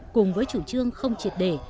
cùng với chủ trương không triệt đề